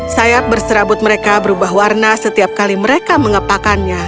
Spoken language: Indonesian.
sayap berserabut mereka berubah warna setiap kali mereka mengepakannya